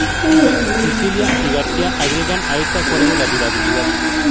Sicilia y García agregan a este acuerdo la durabilidad.